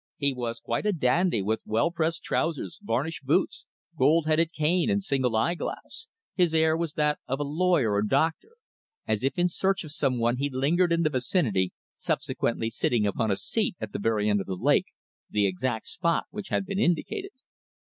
He was quite a dandy with well pressed trousers, varnished boots, gold headed cane and single eyeglass. His air was that of a lawyer or doctor. As if in search of some one he lingered in the vicinity, subsequently sitting upon a seat at the very end of the lake, the exact spot which had been indicated."